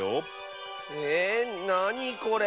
えなにこれ？